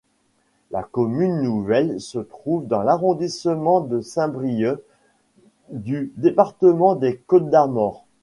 La commune nouvelle se trouve dans l'arrondissement de Saint-Brieuc du département des Côtes-d'Armor.